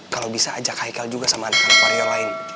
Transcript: kalau bisa ajak haikal juga sama adek adek wario lain